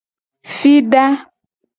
Fida.